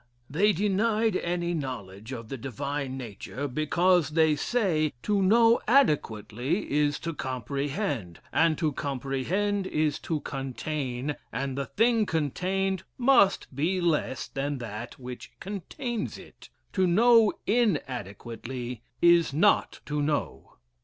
They denied any knowledge of the Divine Nature, because, they say, to know adequately is to comprehend, and to comprehend is to contain, and the thing contained must be less than that which contains it; to know inadequately is not to know.